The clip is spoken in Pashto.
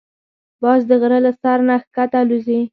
باز د غره له سر نه ښکته الوزي